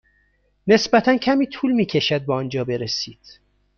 نسبتا کمی طول می کشد به آنجا برسید.